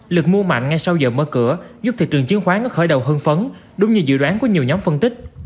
lực mua mạnh ngay sau giờ mở cửa giúp thị trường chứng khoán có khởi đầu hương phấn đúng như dự đoán của nhiều nhóm phân tích